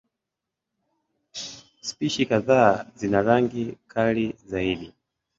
Spishi kadhaa zina rangi kali zaidi.